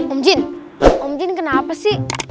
om jin om jin kenapa sih